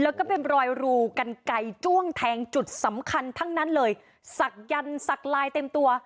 แล้วก็เป็นรอยรูกันไกลจ้วงแทงจุดสำคัญทั้งนั้นเลยศักยันต์สักลายเต็มตัว